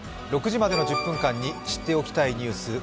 ６時５０分までに知っておきたいニュース